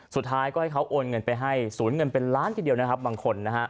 สุดท้ายก็ให้เขาโอนเงินไปให้ศูนย์เงินเป็นล้านทีเดียวนะครับบางคนนะฮะ